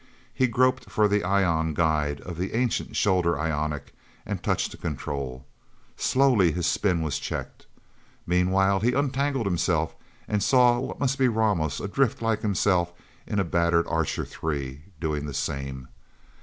He groped for the ion guide of the ancient shoulder ionic, and touched a control. Slowly his spin was checked. Meanwhile he untangled himself, and saw what must be Ramos, adrift like himself in a battered Archer Three, doing the same.